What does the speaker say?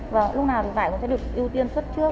và lúc nào vải cũng sẽ được ưu tiên xuất trước